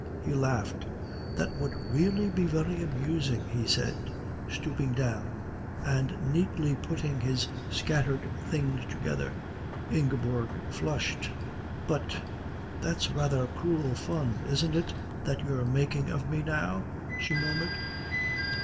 He laughed. "That would really be very amusing," he said, stooping down and neatly putting his scattered things together. Ingeborg flushed. "But that's rather cruel fun, isn't it, that you're making of me now?" she murmured.